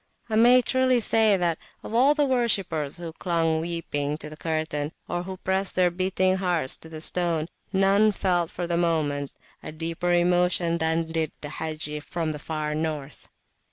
I may truly say that, of all the worshippers who clung weeping to the curtain, or who pressed their beating hearts to the stone, none felt for the moment a deeper emotion than did the Haji from the far north.